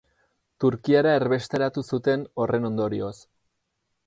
Turkiara erbesteratu zuten horren ondorioz.